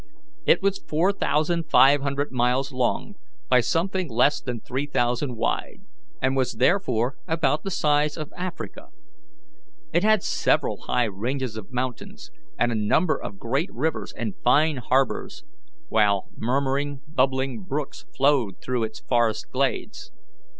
It was four thousand five hundred miles long by something less than three thousand wide, and was therefore about the size of Africa. It had several high ranges of mountains and a number of great rivers and fine harbours, while murmuring, bubbling brooks flowed through its forest glades.